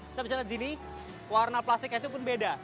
kita bisa lihat di sini warna plastiknya itu pun beda